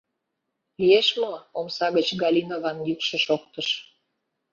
— Лиеш мо? — омса гыч Галинован йӱкшӧ шоктыш.